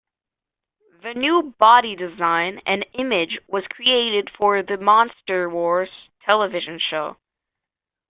The new body design and image was created for the Monster Wars television show.